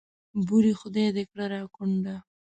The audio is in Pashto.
بورې خدای دې کړه را کونډه.